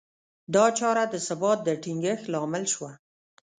دا چاره د ثبات د ټینګښت لامل شوه.